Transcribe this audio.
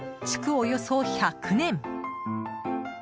およそ１００年。